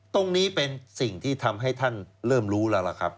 ตรงนี้เป็นสิ่งที่ทำให้ท่านเริ่มรู้แล้วล่ะครับ